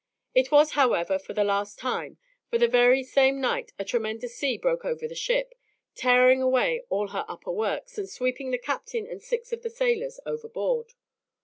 It was, however, for the last time, for the very same night a tremendous sea broke over the ship, tearing away all her upper works, and sweeping the captain and six of the sailors overboard.